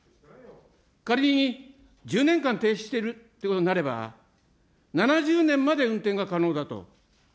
仮に１０年間停止しているということになれば、７０年まで運転が可能だと。